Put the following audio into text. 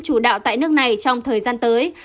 chủ đạo tại nước này trong thời gian tới